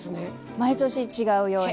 毎年違うように。